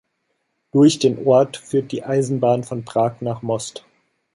Durch den Ort führt die Eisenbahn von Prag nach Most.